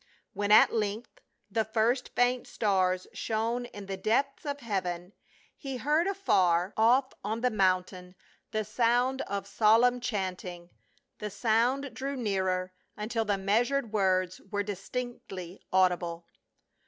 When at length the first faint stars slionc in the depths of heaven he heard afar IN THE DESERT OF SINAI. 57 off on the mountain the sound of solemn chanting, the sound drew nearer, until the meiisured words were dis tinctly audible.